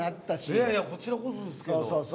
いやいやこちらこそですけど。